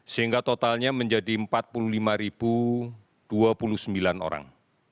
sehingga totalnya menjadi empat puluh lima dua puluh sembilan orang